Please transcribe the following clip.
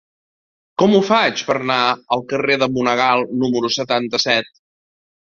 Com ho faig per anar al carrer de Monegal número setanta-set?